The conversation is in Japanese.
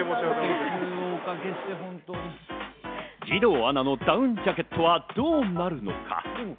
義堂アナのダウンジャケットはどうなるのか？